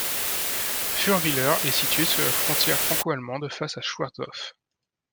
Fürweiler est situé sur la frontière franco-allemande, face à Schwerdorff.